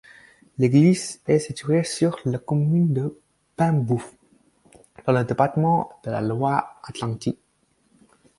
L'église est située sur la commune de Paimbœuf, dans le département de la Loire-Atlantique.